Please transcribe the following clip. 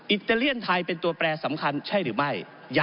อิตาเลียนไทยเป็นตัวแปรสำคัญใช่หรือไม่